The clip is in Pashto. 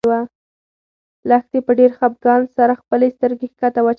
لښتې په ډېر خپګان سره خپلې سترګې ښکته واچولې.